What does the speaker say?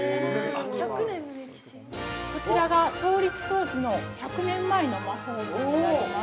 ◆こちらが、創立当時の１００年前の魔法瓶になります。